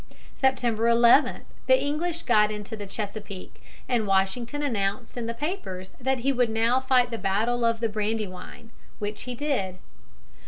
September 11 the English got into the Chesapeake, and Washington announced in the papers that he would now fight the battle of the Brandywine, which he did.